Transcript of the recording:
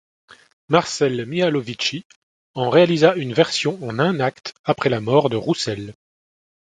Marcel Mihalovici en réalisa une version en un acte après la mort de Roussel.